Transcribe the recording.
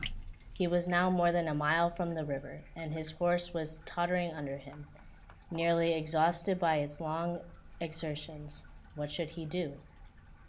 He was now more than a mile from the river, and his horse was tottering under him, nearly exhausted by its long exertions. What should he do?